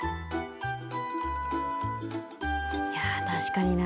いや確かにな。